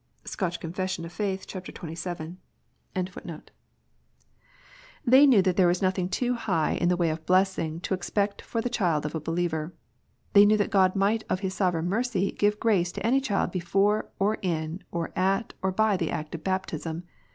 Scotch Confession of Faith, chap. 28. 138 KNOTS UNTIED. .and they were right* The^knew that there was nothing too high in the way of Messing^to expect for the child ofjijeliever. They knew that GrodT might of bis sovereign mercyjamrace to, any child Trafpre, or^in. orlit, or by the act of baptism.